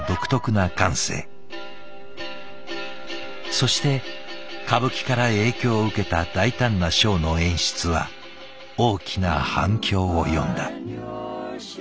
そして歌舞伎から影響を受けた大胆なショーの演出は大きな反響を呼んだ。